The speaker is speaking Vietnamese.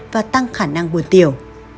và tăng khả năng buồn tiểu